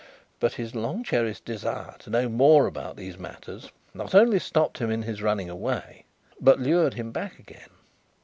But, his long cherished desire to know more about these matters, not only stopped him in his running away, but lured him back again.